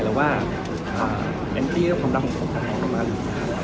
แล้วว่าเอ็นตรีกับความรักของผมก็ไม่เห็นด้วย